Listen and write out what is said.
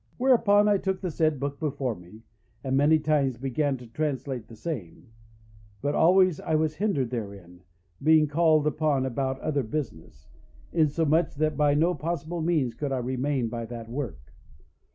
"Whereupon I took the said book before me, and many times began to translate the same, but always I was hindered therein, being called upon about other business, insomuch that by no possible means I could remain by that work.